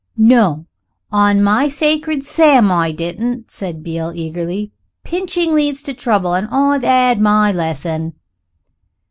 "No on my sacred sam, I didn't," said Beale eagerly; "pinching leads to trouble. I've 'ad my lesson."